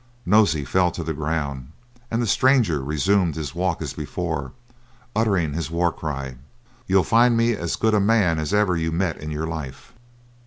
Nosey fell to the ground, and the stranger resumed his walk as before, uttering his war cry: "You'll find me as good a man as ever you met in your life."